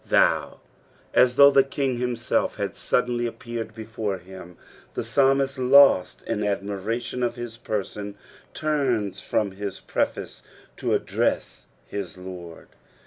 "TTiou.^' As though the King himself had suddenly appeared before htm, the psalmist lost in admirstton of his person, turna from his preface to address his Lord.